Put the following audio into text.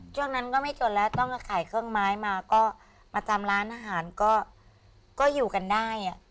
ช่วงนั้นก็ไม่จนแล้วต้องขายเครื่องไม้มาก็มาตามร้านอาหารก็อยู่กันได้